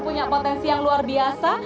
punya potensi yang luar biasa